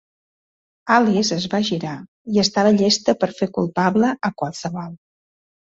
Alice es va girar, i estava llesta per fer culpable a qualsevol.